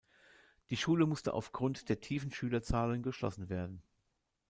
Die Schule musste aufgrund der tiefen Schülerzahlen geschlossen werden.